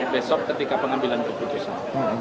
besok ketika pengambilan keputusan